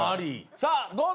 さあどうぞ。